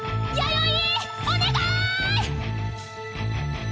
お願い！